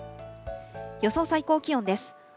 予想最高気温です。